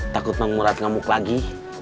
takut mengmurat ngamuk lagi